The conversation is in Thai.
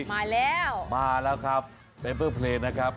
มาแล้วมาแล้วครับเป็นเพื่อเพลงนะครับ